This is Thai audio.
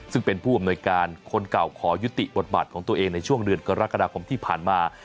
ซึ่งเป็นผู้อำนวยการคนเก่าขอยุติบทบาทของตัวเองในช่วงเดือนกรกฎาคมที่ผ่านมา